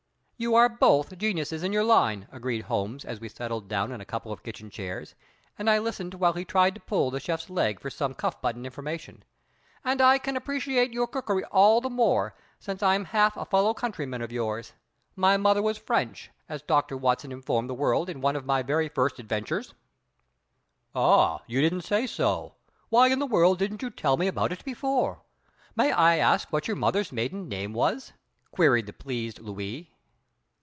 "You are both geniuses in your line," agreed Holmes, as we settled down in a couple of kitchen chairs, and I listened while he tried to pull the chef's leg for some cuff button information; "and I can appreciate your cookery all the more, since I am half a fellow country man of yours. My mother was French, as Doctor Watson informed the world in one of my very first adventures." "Ah! You don't say so! Why in the world didn't you tell me about it before? May I ask what your mother's maiden name was?" queried the pleased Louis.